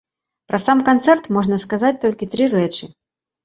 Пра сам канцэрт можна сказаць толькі тры рэчы.